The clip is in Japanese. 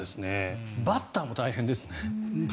バッターも大変ですね。